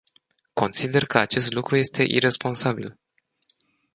Consider că acest lucru este iresponsabil.